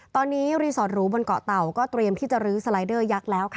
ตอนนี้รีสอร์ทหรูบนเกาะเต่าก็เตรียมที่จะลื้อสไลเดอร์ยักษ์แล้ว